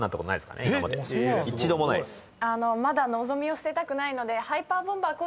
まだ望みを捨てたくないので。